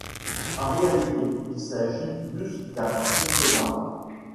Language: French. En réalité, il s’agit plus d’un cauchemar.